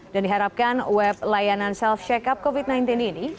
dan diharapkan web layanan self checkup covid sembilan belas ini